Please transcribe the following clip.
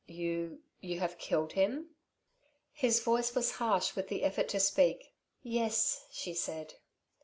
"You you have killed him?" His voice was harsh with the effort to speak. "Yes," she said.